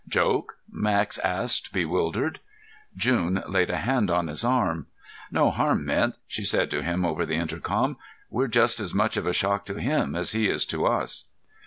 "Joke?" Max asked, bewildered. June laid a hand on his arm. "No harm meant," she said to him over the intercom. "We're just as much of a shock to him as he is to us."